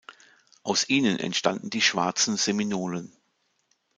Aus ihnen entstanden die Schwarzen Seminolen.